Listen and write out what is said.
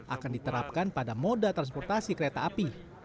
akan diterapkan pada moda transportasi kereta api